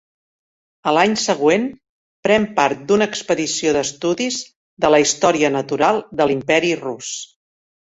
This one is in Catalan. A l'any següent pren part d'una expedició d'estudis de la Història natural de l'Imperi Rus.